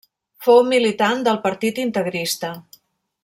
Fou militant del partit integrista.